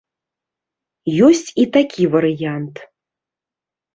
Ёсць і такі варыянт.